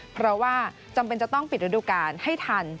เพราะว่าจำเป็นจะต้องปิดฤดูกาลให้ทัน